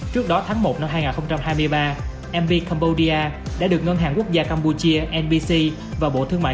trước đó tháng một năm hai nghìn hai mươi ba mb cambodia đã được ngân hàng quốc gia cambodia và bộ thương mại